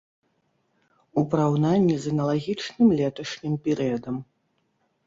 У параўнанні з аналагічным леташнім перыядам.